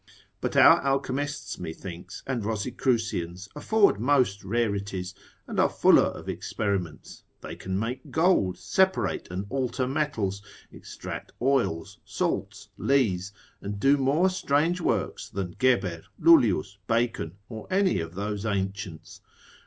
But our alchemists, methinks, and Rosicrucians afford most rarities, and are fuller of experiments: they can make gold, separate and alter metals, extract oils, salts, lees, and do more strange works than Geber, Lullius, Bacon, or any of those ancients.